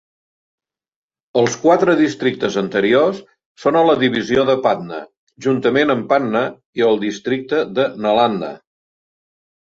Els quatre districtes anteriors són a la divisió de Patna juntament amb Patna i el districte de Nalanda.